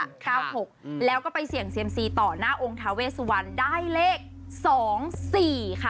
เก้าหกอืมแล้วก็ไปเสี่ยงเซียมซีต่อหน้าองค์ทาเวสวันได้เลขสองสี่ค่ะ